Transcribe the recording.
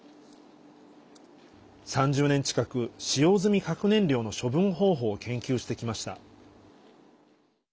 ３０年近く、使用済み核燃料の処分方法を研究してきました。